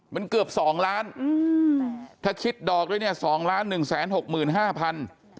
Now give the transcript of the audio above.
มันเกือบ๒ล้านถ้าคิดดอกด้วยเนี่ย๒ล้าน๑๖๕๐๐๐